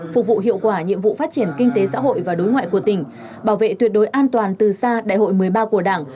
phục vụ hiệu quả nhiệm vụ phát triển kinh tế xã hội và đối ngoại của tỉnh bảo vệ tuyệt đối an toàn từ xa đại hội một mươi ba của đảng